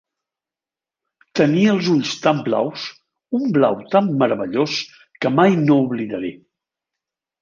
Tenia els ulls tan blaus: un blau tan meravellós que mai no oblidaré.